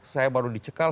saya baru dicekal